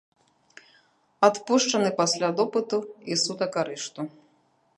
Адпушчаны пасля допыту і сутак арышту.